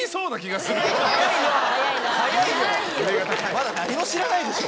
まだ何も知らないでしょ。